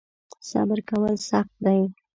صبر کول سخت دی .